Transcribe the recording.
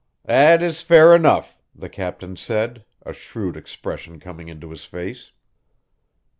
"That is fair enough," the captain said, a shrewd expression coming into his face.